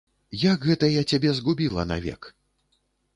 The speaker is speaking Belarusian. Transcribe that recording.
Як гэта я цябе згубіла навек?